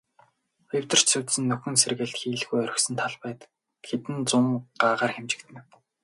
Эвдэрч сүйдсэн, нөхөн сэргээлт хийлгүй орхисон талбай хэдэн зуун гагаар хэмжигдэнэ.